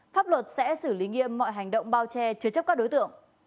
pháp luật sẽ xử lý nghiêm mọi hành động bao che chứa chấp các đối tượng